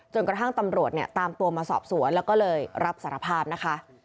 กระทั่งตำรวจเนี่ยตามตัวมาสอบสวนแล้วก็เลยรับสารภาพนะคะ